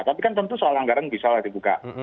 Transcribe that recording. tapi kan tentu soal anggaran bisa lah dibuka